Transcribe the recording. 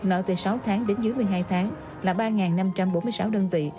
nợ từ sáu tháng đến dưới một mươi hai tháng là ba năm trăm bốn mươi sáu đơn vị